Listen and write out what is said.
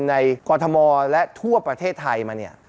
กรทมและทั่วประเทศไทยมาเนี่ย